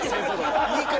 言い方